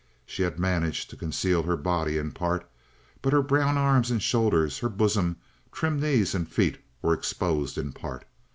She had managed to conceal her body in part, but her brown arms and shoulders, her bosom, trim knees, and feet were exposed in part.